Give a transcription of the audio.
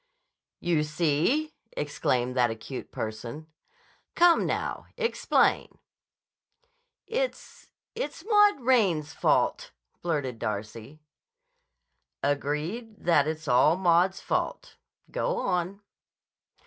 "You see!" exclaimed that acute person. "Come, now. Explain." "It's—it's Maud Raines's fault," blurted Darcy. "Agreed that it's all Maud's fault. Go on."